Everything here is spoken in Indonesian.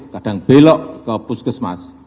kadang belok ke puskesmas